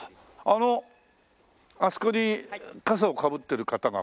あのあそこに笠をかぶってる方が。